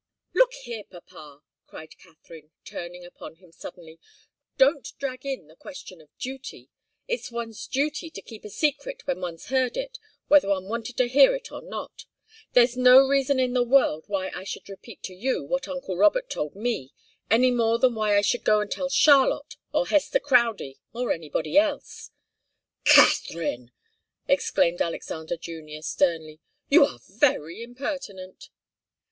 "Look here, papa!" cried Katharine, turning upon him suddenly. "Don't drag in the question of duty. It's one's duty to keep a secret when one's heard it whether one wanted to hear it or not. There's no reason in the world why I should repeat to you what uncle Robert told me any more than why I should go and tell Charlotte, or Hester Crowdie, or anybody else." "Katharine!" exclaimed Alexander Junior, sternly, "you are very impertinent."